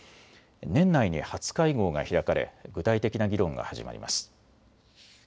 年内に初会合が開かれ具体的な議論が始まります。